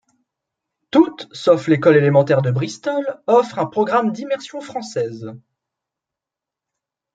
Toutes sauf l'école élémentaire de bristol offrent un programme d'immersion française.